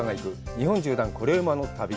日本縦断コレうまの旅」。